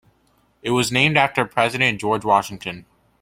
It was named after President George Washington.